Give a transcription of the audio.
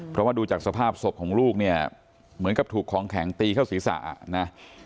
เพราะดูสภาพของลูกเหมือนกับถูกคลองแข็งตีเข้าศีรษะ